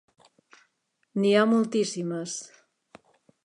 N’hi ha moltíssimes.